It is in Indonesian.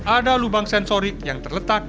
ada lubang sensori yang terletak